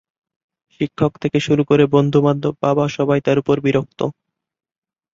শিক্ষক থেকে শুরু করে বন্ধু-বান্ধব বাবা সবাই তার উপর বিরক্ত।